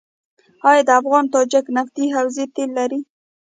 آیا د افغان تاجک نفتي حوزه تیل لري؟